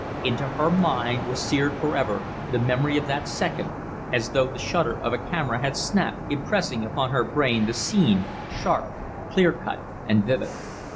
Into her mind was seared forever the memory of that second, as though the shutter of a camera had snapped, impressing upon her brain the scene, sharp, clear cut, and vivid.